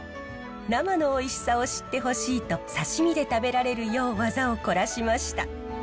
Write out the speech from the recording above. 生のおいしさを知ってほしいと刺身で食べられるよう技を凝らしました。